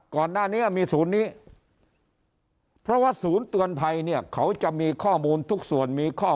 ก่อนหน้านี้มีศูนย์นี้เพราะว่าศูนย์เตือนภัยเนี่ยเขาจะมีข้อมูลทุกส่วนมีข้อ